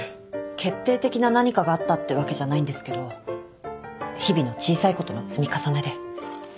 決定的な何かがあったってわけじゃないんですけど日々の小さいことの積み重ねで。